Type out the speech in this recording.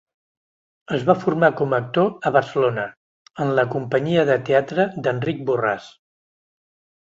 Es va formar com a actor a Barcelona, en la companyia de teatre d'Enric Borràs.